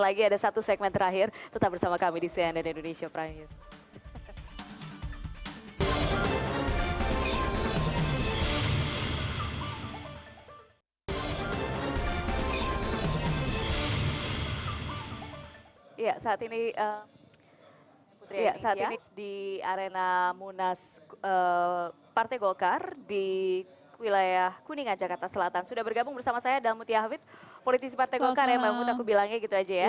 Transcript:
atau tidak ada pilihan politik